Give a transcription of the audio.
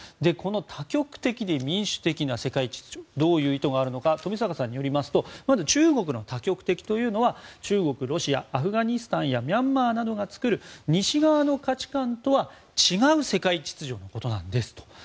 この多極的で民主的な世界秩序にはどういう意図があるのか富坂さんによりますとまず中国の多極的というのは中国、ロシア、アフガニスタンやミャンマーなどが作る西側の価値観とは違う世界秩序のことですと。